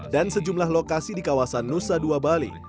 dan sejumlah lokasi di kawasan nusa dua bali